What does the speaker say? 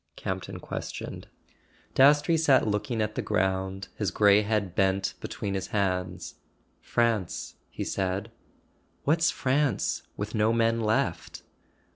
Campton questioned. Dastrey sat looking at the ground, his grey head bent between his hands. "France," he said. "What's France, with no men left?"